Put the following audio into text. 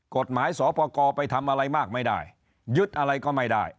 กฎหมายสอปกรไปทำอะไรมากไม่ได้ยึดอะไรก็ไม่ได้